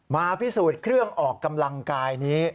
มาพิสูจน์เครื่องออกกำลังกายนี้